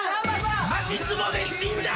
足つぼで死んだ！